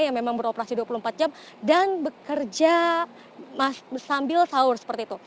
yang memang beroperasi dua puluh empat jam dan bekerja sambil sahur seperti itu